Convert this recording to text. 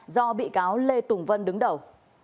do bị cáo lê tùng vân đứng đầu